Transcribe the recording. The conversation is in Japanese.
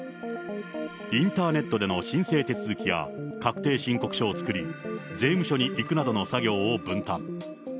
インターネットでの申請手続きや、確定申告書を作り、税務署に行くなどの作業を分担。